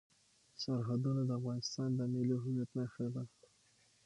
سرحدونه د افغانستان د ملي هویت نښه ده.